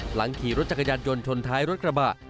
หลังขี่รถจักรยานยนต์ชนท้ายรถกระบะ